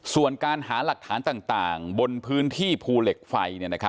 ส่วนการหาหลักฐานต่างบนพื้นที่ภูเหล็กไฟ